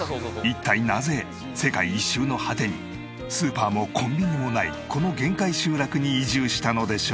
一体なぜ世界一周の果てにスーパーもコンビニもないこの限界集落に移住したのでしょう？